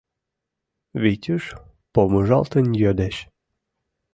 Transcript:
— Витюш помыжалтын йодеш.